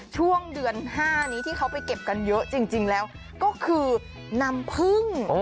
ช่วงเดือน๕นี้ที่เขาไปเก็บกันเยอะจริงแล้วก็คือน้ำพึ่ง